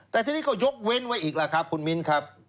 แต่ทีนี้ก็ยกเว้นไว้อีกแล้วครับคุณมิ้นครับ